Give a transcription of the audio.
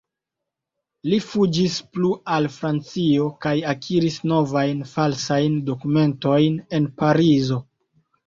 Li fuĝis plu al Francio kaj akiris novajn falsajn dokumentojn en Parizo.